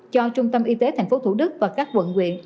cho trung tâm y tế tp thủ đức và các quận quyện